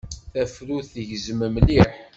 Tafrut-a tgezzem mliḥ.